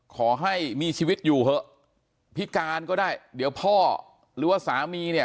ขอให้มีชีวิตอยู่เถอะพิการก็ได้เดี๋ยวพ่อหรือว่าสามีเนี่ย